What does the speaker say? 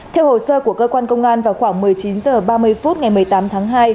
theo hồ sơ của cơ quan công an vào khoảng một mươi chín h ba mươi phút ngày một mươi tám tháng hai